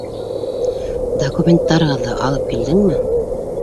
Документтарығыҙҙы алып килдеңме?